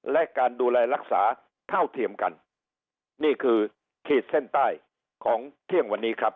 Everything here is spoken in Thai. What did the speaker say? และการดูแลรักษาเท่าเทียมกันนี่คือขีดเส้นใต้ของเที่ยงวันนี้ครับ